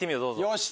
よし！